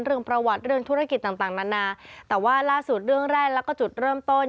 เรื่องประวัติเรื่องธุรกิจต่างต่างนานาแต่ว่าล่าสุดเรื่องแรกแล้วก็จุดเริ่มต้น